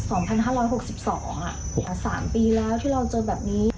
สองพันห้าร้อยหกสิบสองอ่ะสามปีแล้วที่เราเจอแบบนี้